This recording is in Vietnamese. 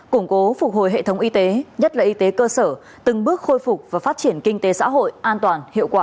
củng cố phục hồi hệ thống y tế nhất là y tế cơ sở từng bước khôi phục và phát triển kinh tế xã hội an toàn hiệu quả